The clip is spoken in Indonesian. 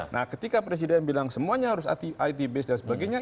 nah ketika presiden bilang semuanya harus it base dan sebagainya